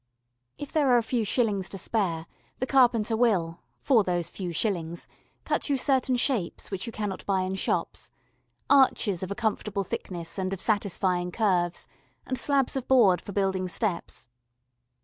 If there are a few shillings to spare, the carpenter will, for those few shillings, cut you certain shapes which you cannot buy in shops arches of a comfortable thickness and of satisfying curves, and slabs of board for building steps.